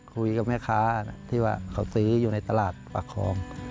คุยกับแม่ค้าที่ว่าเขาซื้ออยู่ในตลาดปากคลอง